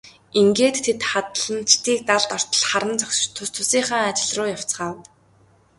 Ингээд тэд хадланчдыг далд ортол харан зогсож тус тусынхаа ажил руу явцгаав.